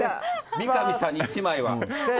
三上さんに１枚は。